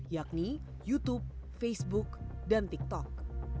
yakni youtube facebook dan tiktok